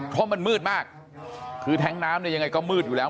เพราะมันมืดมากคือแท้งน้ำเนี่ยยังไงก็มืดอยู่แล้ว